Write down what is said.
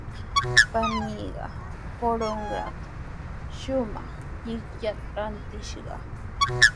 Paniiqa Corongotrawmi shumaq llikllata rantishqa.